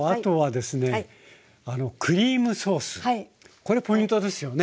これポイントですよね。